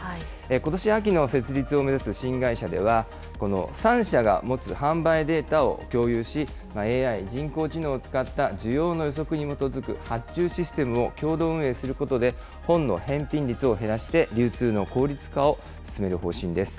ことし秋の設立を目指す新会社では、この３社が持つ販売データを共有し、ＡＩ・人工知能を使った需要の予測に基づく発注システムを共同運営することで、本の返品率を減らして、流通の効率化を進める方針です。